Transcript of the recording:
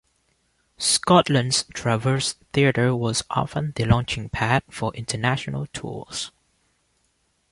Scotland's Traverse Theatre was often the launching pad for international tours.